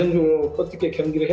mereka akan berjuang dengan berat